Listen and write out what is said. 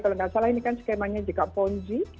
kalau tidak salah ini kan skemanya jika ponzi